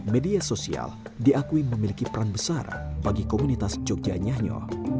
media sosial diakui memiliki peran besar bagi komunitas jogja nyanyo